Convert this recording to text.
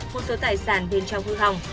một số tài sản bên trong hư hỏng